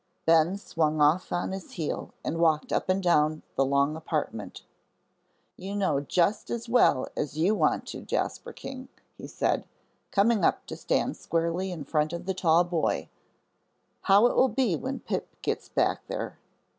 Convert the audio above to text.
Ben swung off on his heel and walked up and down the long apartment. "You know just as well as you want to, Jasper King," he said, coming up to stand squarely in front of the tall boy, "how it will be when Pip gets back there."